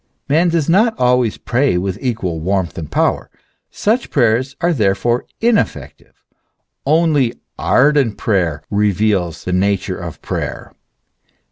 Man does not always pray with equal warmth and power. Such prayers are therefore ineffective. Only ardent prayer reveals the nature of prayer.